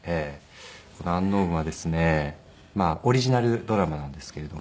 この『ｕｎｋｎｏｗｎ』はですねオリジナルドラマなんですけれども。